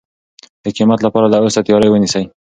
د قیامت لپاره له اوسه تیاری ونیسئ.